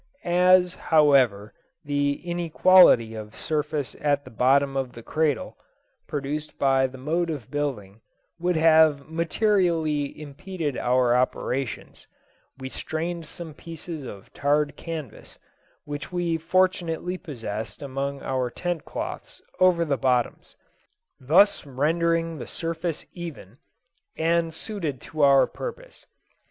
As, however, the inequality of surface at the bottom of the cradle, produced by the mode of building, would have materially impeded our operations, we strained some pieces of tarred canvas, which we fortunately possessed amongst our tent cloths, over the bottoms, thus rendering the surface even, and suited to our purpose.